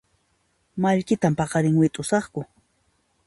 Mallkitan paqarin wit'usaqku